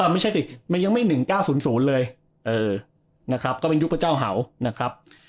ไม่ใช่สิยังไม่ยุค๑๙๐๐เลยก็เป็นยุคพระเจ้าเห่า